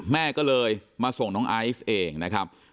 แม่ก็เลยมาส่งน้องไอซ์เองนะครับ